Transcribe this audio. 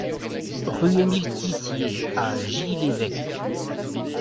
Rue Émile Tissier à Gy-l'Évêque